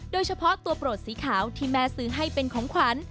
โดยเฉพาะตัวโปรดสีขาวที่แม่ซื้อให้เป็นของขวัญ